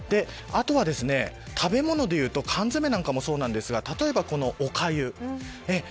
あとは食べ物でいうと缶詰なんかもそうですが例えば、おかゆ。